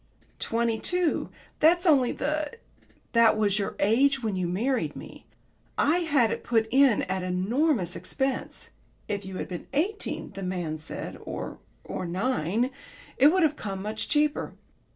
"Twenty two. That's only the " "That was your age when you married me. I had it put in at enormous expense. If you had been eighteen, the man said, or or nine, it would have come much cheaper.